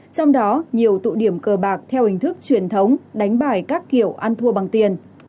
trong đó nhiều tụ điểm cờ bạc theo hình thức truyền thống đánh bài các kiểu ăn thua bằng tiền